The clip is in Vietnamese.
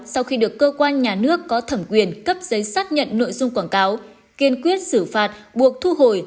sau khi được cơ quan nhà nước có thẩm quyền cấp giấy xác nhận nội dung quảng cáo kiên quyết xử phạt buộc thu hồi